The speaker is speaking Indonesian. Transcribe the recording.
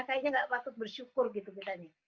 kayaknya gak patut bersyukur gitu kita nih